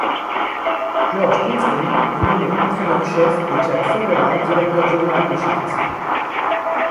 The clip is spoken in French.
George Kingston est nommé entraîneur-chef et Jack Ferreira directeur général des Sharks.